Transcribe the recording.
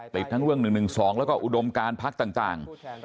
ติดทั้งเรื่อง๑๑๒แล้วก็อุดมการพักต่าง